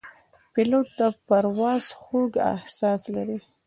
پیلوټ د پرواز خوږ احساس لري.